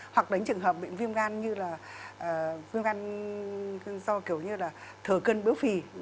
hoặc đánh trường hợp bị viêm gan như là viêm gan do kiểu như là thừa cân biếu phì